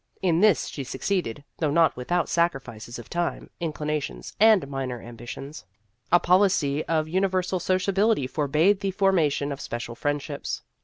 In this she suc ceeded, though not without sacrifices of time, inclinations, and minor ambitions. A policy of universal sociability forbade the formation of special friendships.